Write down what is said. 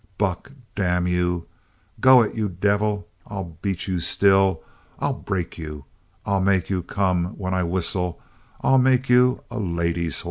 "Buck damn you! go it, you devil I'll beat you still! I'll break you I'll make you come when I whistle I'll make you a lady's hoss!"'